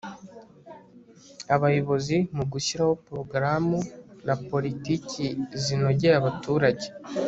abayobozi, mu gushyiraho porogaramu na poritiki zinogeye abaturage